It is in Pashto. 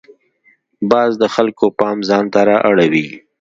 باز د خلکو پام ځان ته را اړوي